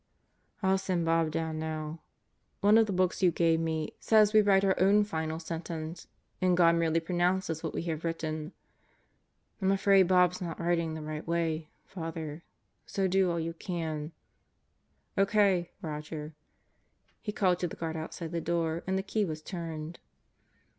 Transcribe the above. I'll send Bob down now. One of the books you gave me says we write our own final sentence, and God merely pronounces what we have written. I'm afraid Bob's not writing the right way, Father; so do all you can O.K., Roger," he called to the guard outside the door, and the key was turned.